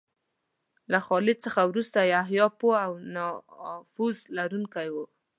له خالد څخه وروسته یحیی پوه او نفوذ لرونکی و.